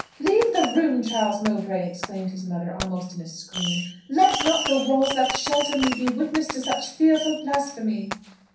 "Leave the room, Charles Mowbray!" exclaimed his mother almost in a scream; "let not the walls that shelter me be witness to such fearful blasphemy!"